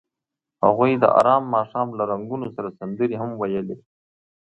هغوی د آرام ماښام له رنګونو سره سندرې هم ویلې.